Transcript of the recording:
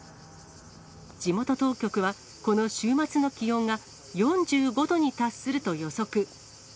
地元当局は、この週末の気温が４５度に達すると予測。